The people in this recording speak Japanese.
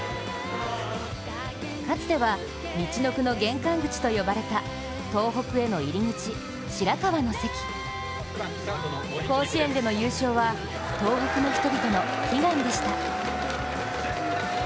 かつては、みちのくの玄関口と呼ばれた甲子園での優勝は、東北の人々の悲願でした。